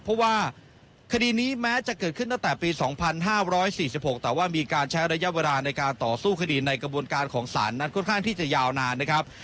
เพราะว่าคดีนี้แม้จะเกิดขึ้นตั้งแต่ปี๒๕๔๖แต่ว่ามีการใช้ระยะเวลาในการต่อสู้คดีในกระบวนการของศาลนั้นค่อนข้างที่จะยาวนานนะครับ